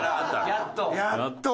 やっと。